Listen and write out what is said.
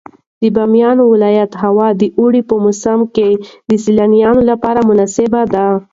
د بامیان ولایت هوا د اوړي په موسم کې د سیلانیانو لپاره مناسبه ده.